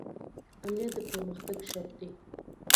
امنیت د پرمختګ شرط دی